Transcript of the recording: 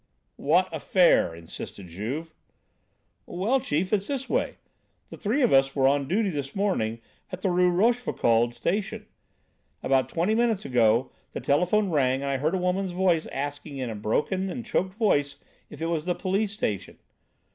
"What affair?" insisted Juve. "Well, chief, it's this way. The three of us were on duty this morning at the Rue Rochefoucauld Station. About twenty minutes ago the telephone rang and I heard a woman asking in a broken and choked voice if it was the police station.